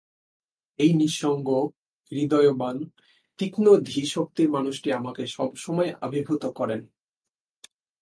এই নিঃসঙ্গ, হৃদয়বান, তীহ্ম ধীশক্তির মানুষটি আমাকে সবসময় অভিভূত করেন।